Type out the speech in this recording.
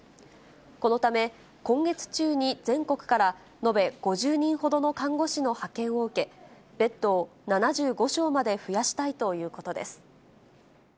このため、今月中に全国から延べ５０人ほどの看護師の派遣を受け、ベッドを７５床まで増やしたいということです。